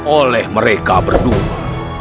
oleh mereka berdua